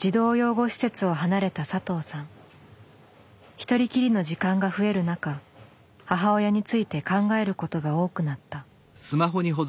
一人きりの時間が増える中母親について考えることが多くなった。